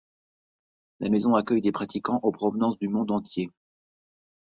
La maison accueille des pratiquants en provenance du monde entier.